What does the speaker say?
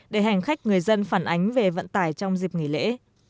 để hành khách người dân phản ánh về vận tải trong dịp nghỉ lễ